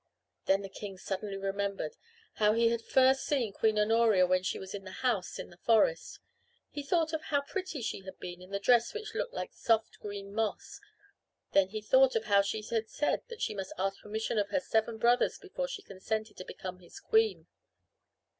Then the king suddenly remembered how he had first seen Queen Honoria when she was in the house in the forest. He thought of how pretty she had been in the dress which looked like soft green moss. Then he thought of how she had said that she must ask permission of her seven brothers before she consented to become his queen.